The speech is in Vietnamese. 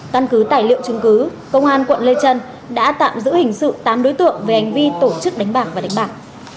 căn cứ tài liệu chứng cứ công an quận lê trân đã tạm giữ hình sự tám đối tượng về hành vi tổ chức đánh bạc và đánh bạc